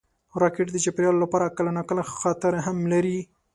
راکټ د چاپېریال لپاره کله ناکله خطر هم لري